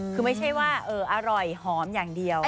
คือไม่ใช่ว่าอร่อยหอมอย่างเดียว